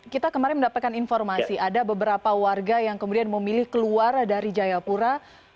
kita kemarin mendapatkan informasi ada beberapa warga yang kemudian memilih keluar dari jayapura